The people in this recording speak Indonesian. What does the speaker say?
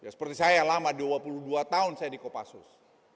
seperti saya lama dua puluh dua tahun saya di kopassus